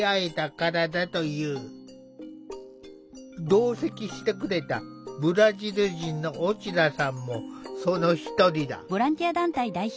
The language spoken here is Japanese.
同席してくれたブラジル人のオチラさんもその一人だ。